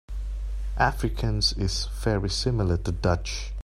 Afrikaans is very similar to Dutch.